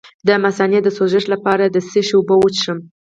د مثانې د سوزش لپاره د څه شي اوبه وڅښم؟